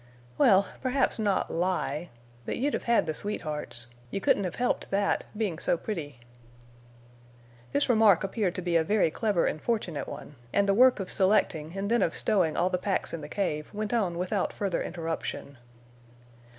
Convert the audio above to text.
"Well—perhaps not lie. But you'd have had the sweethearts—You couldn't have helped that—being so pretty." This remark appeared to be a very clever and fortunate one; and the work of selecting and then of stowing all the packs in the cave went on without further interruption.